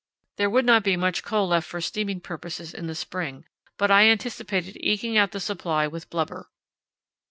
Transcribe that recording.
There would not be much coal left for steaming purposes in the spring, but I anticipated eking out the supply with blubber.